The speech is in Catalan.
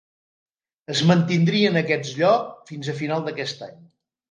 Es mantindria en aquest lloc fins a finals d'aquest any.